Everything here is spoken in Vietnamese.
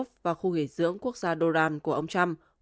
cầu lọc bộ golf ở khu nghỉ dưỡng quốc gia durham của ông trump